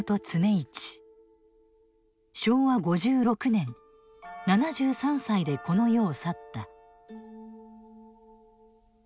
昭和５６年７３歳でこの世を去った。